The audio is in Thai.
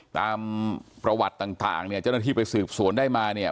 ตามประวัติต่างเนี่ยเจ้าหน้าที่ไปสืบสวนได้มาเนี่ย